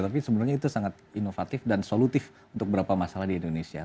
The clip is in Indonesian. tapi sebenarnya itu sangat inovatif dan solutif untuk beberapa masalah di indonesia